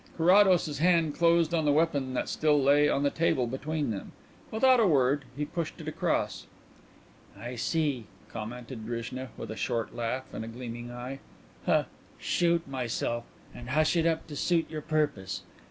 Carrados's hand closed on the weapon that still lay on the table between them. Without a word he pushed it across. "I see," commented Drishna, with a short laugh and a gleaming eye. "Shoot myself and hush it up to suit your purpose.